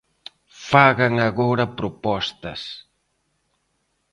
¡Fagan agora propostas!